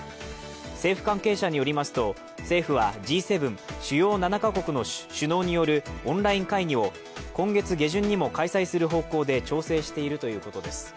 政府関係者によりますと、政府はＧ７＝主要７か国の首脳によるオンライン会議を今月下旬にも開催する方向で調整しているということです。